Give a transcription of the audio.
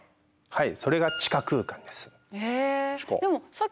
はい。